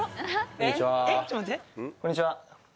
こんにちは。